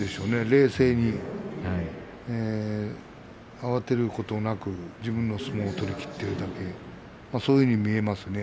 冷静に慌てることなく自分の相撲を取りきっているだけそういうふうに見えますね